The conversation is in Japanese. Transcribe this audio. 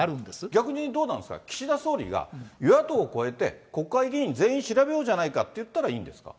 逆にどうなんですか、岸田総理が与野党を超えて、国会議員全員調べようじゃないかって言ったらいいんですか。